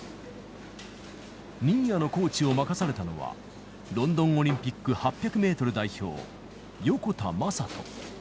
新谷のコーチを任されたのは、ロンドンオリンピック８００メートル代表、横田真人。